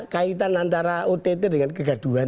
kaitan antara ott dengan kegaduhan